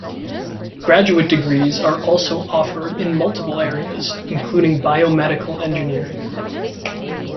Graduate degrees are also offered in multiple areas, including Biomedical Engineering.